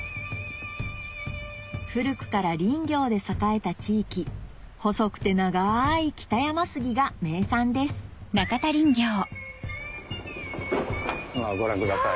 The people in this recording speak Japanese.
古くから林業で栄えた地域細くて長い北山杉が名産ですご覧ください。